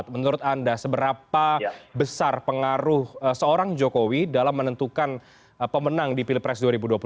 menurut anda seberapa besar pengaruh seorang jokowi dalam menentukan pemenang di pilpres dua ribu dua puluh empat